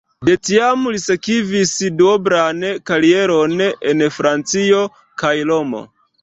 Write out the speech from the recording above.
De tiam li sekvis duoblan karieron en Francio kaj Romo.